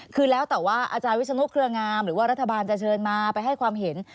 คือแล้วแต่ว่าอาจารย์วิศนุเครืองามหรือว่ารัฐบาลจะเชิญมาไปให้ความเห็น